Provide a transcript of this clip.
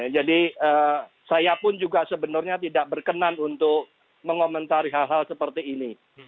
jadi saya pun juga sebenarnya tidak berkenan untuk mengomentari hal hal seperti ini